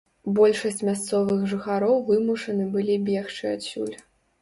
Большасць мясцовых жыхароў вымушаны былі бегчы адсюль.